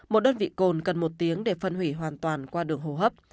một đơn vị cồn cần một tiếng để phân hủy hoàn toàn qua đường hô hấp